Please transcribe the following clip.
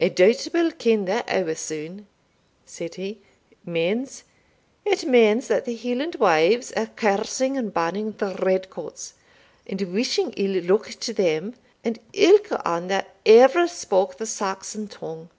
"I doubt we'll ken that ower sune," said he. "Means? It means that the Highland wives are cursing and banning the red coats, and wishing ill luck to them, and ilka ane that ever spoke the Saxon tongue.